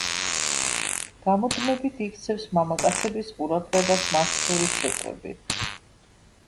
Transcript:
გამუდმებით იქცევს მამაკაცების ყურადღებას მაცდური ცეკვებით.